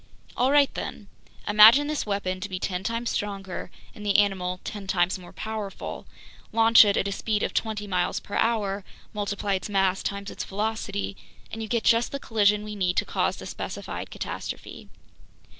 "All right then! Imagine this weapon to be ten times stronger and the animal ten times more powerful, launch it at a speed of twenty miles per hour, multiply its mass times its velocity, and you get just the collision we need to cause the specified catastrophe.